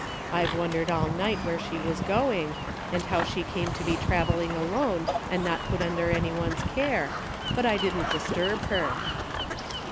I've wondered all night where she was going, and how she came to be traveling alone, and not put under any one's care ; but I didn't disturb her."